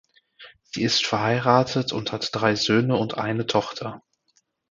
Sie ist verheiratet und hat drei Söhne und eine Tochter.